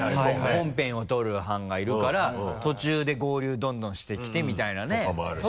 本編を撮る班がいるから途中で合流どんどんしてきてみたいなね。とかもあるし。